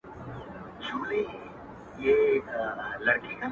زه به همدغه سي شعرونه ليكم.